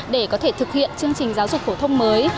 để có thể thực hiện chương trình giáo dục phổ thông mới